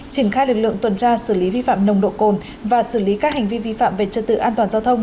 triển khai lực lượng tuần tra xử lý vi phạm nồng độ cồn và xử lý các hành vi vi phạm về trật tự an toàn giao thông